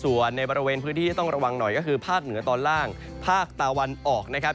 ส่วนในบริเวณพื้นที่ที่ต้องระวังหน่อยก็คือภาคเหนือตอนล่างภาคตะวันออกนะครับ